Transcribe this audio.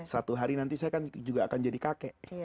satu hari nanti saya kan juga akan jadi kakek